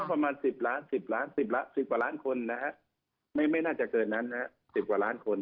ประมาณ๑๐ล้าน๑๐กว่าล้านคนนะฮะไม่น่าจะเกินนั้นนะฮะ๑๐กว่าล้านคน